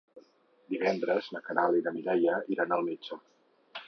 Divendres na Queralt i na Mireia iran al metge.